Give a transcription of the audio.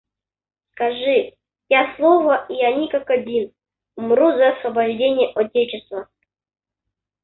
Скажи я слово и они как один умрут за освобождение отечества.